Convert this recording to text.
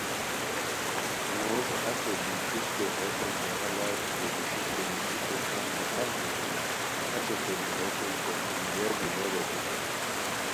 ہے موش اچو بی پروشٹو ہوتین ژاغہ لاکیکو دی پروشٹو نیشیکو تنتین حق جوݰی اچو کوری ہوتین کیہ شکریہ دی نوریتائے